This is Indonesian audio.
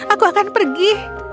aku akan pergi